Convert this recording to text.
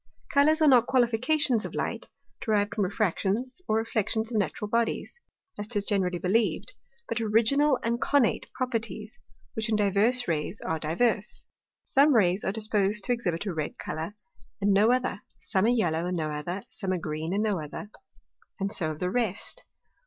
Colours are not Qualifications of Light, derived from Refractions, or Reflections of natural Bodies, (as 'tis generally believed) but Original and connate Properties, which in divers Rays are divers. Some Rays are disposed to exhibit a red Colour and no other; some a yellow and no other, some a green and no other, and so of the rest.